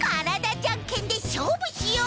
じゃんけんでしょうぶしよう！